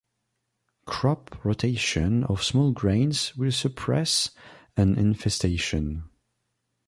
Crop rotation of small grains will suppress an infestation.